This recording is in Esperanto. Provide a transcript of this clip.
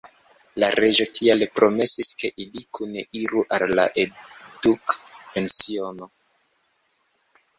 La reĝo tial promesis, ke ili kune iru al la edukpensiono.